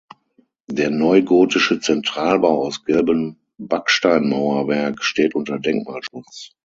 Der neugotische Zentralbau aus gelbem Backsteinmauerwerk steht unter Denkmalschutz.